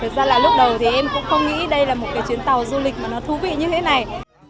thật ra là lúc đầu thì em cũng không nghĩ đây là một cái chuyến tàu du lịch mà nó thú vị như thế này